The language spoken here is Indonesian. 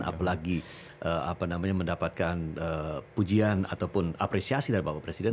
apalagi mendapatkan pujian ataupun apresiasi dari bapak presiden